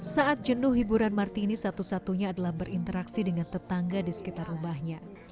saat jenuh hiburan martini satu satunya adalah berinteraksi dengan tetangga di sekitar rumahnya